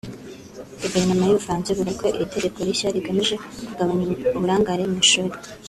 Guverinoma y’u Bufaransa ivuga ko iri tegeko rishya rigamije kugabanya uburangare mu ishuri